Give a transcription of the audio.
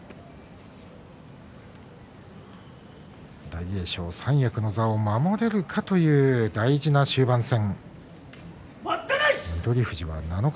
大栄翔、三役の座を守れるかという大事な終盤戦。